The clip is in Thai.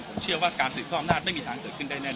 ผมเชื่อว่าการสืบทอดอำนาจไม่มีทางเกิดขึ้นได้แน่